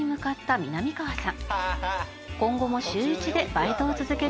みなみかわさん